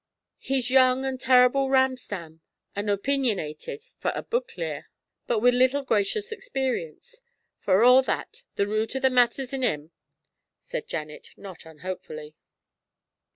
'He's young an' terrable ram stam an' opeenionated fu' o' buik lear, but wi' little gracious experience. For a' that, the root o' the maitter's in 'im,' said Janet, not unhopefully.